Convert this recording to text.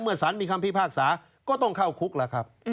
สารมีคำพิพากษาก็ต้องเข้าคุกแล้วครับ